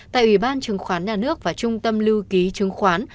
tại ủy ban chứng khoán nhà nước và trung tâm lưu ký chứng khoán